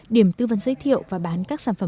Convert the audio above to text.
điểm tư vấn giới thiệu và bán các sản phẩm